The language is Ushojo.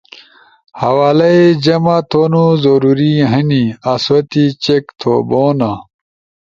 حوالئی جمع تھونو ضروری ہنی آسو تی چیک تھوبونا